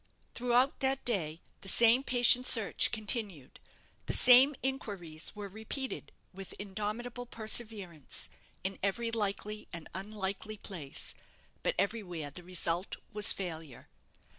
Throughout that day the same patient search continued, the same inquiries were repeated with indomitable perseverance, in every likely and unlikely place; but everywhere the result was failure.